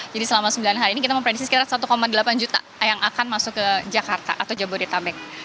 selama sembilan hari ini kita memprediksi sekitar satu delapan juta yang akan masuk ke jakarta atau jabodetabek